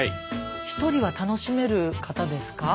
ひとりは楽しめる方ですか？